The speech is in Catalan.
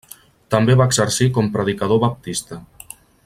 També va exercir com predicador baptista.